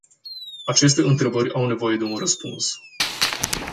Aceste întrebări au nevoie de un răspuns.